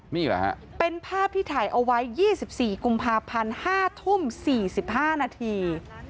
นี่แหละฮะเป็นภาพที่ถ่ายเอาไว้๒๔กุมภาพันธ์๕ทุ่ม๔๕นาที